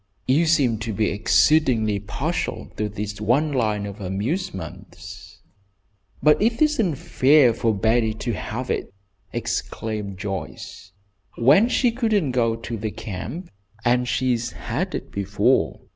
You seem to be exceedingly partial to this one line of amusements." "It isn't fair for Betty to have it," exclaimed Joyce, "when she wouldn't go to the camp, and she's had it before!